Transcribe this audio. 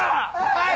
はい！